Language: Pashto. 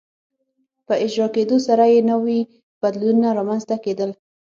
په اجرا کېدو سره یې نوي بدلونونه رامنځته کېدل.